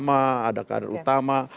ada kader utama